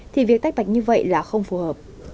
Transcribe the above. thì việc tách bạch như vậy là không phù hợp